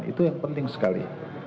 itu yang penting sekali